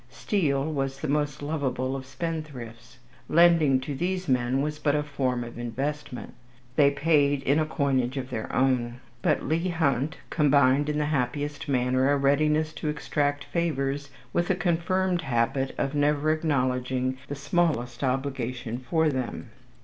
Steele was the most lovable of spendthrifts. Lending to these men was but a form of investment. They paid in a coinage of their own. But Leigh Hunt combined in the happiest manner a readiness to extract favours with a confirmed habit of never acknowledging the smallest obligation for them.